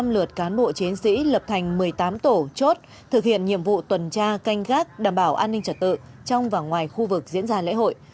một trăm linh lượt cán bộ chiến sĩ lập thành một mươi tám tổ chốt thực hiện nhiệm vụ tuần tra canh gác đảm bảo an ninh trật tự trong và ngoài khu vực diễn ra lễ hội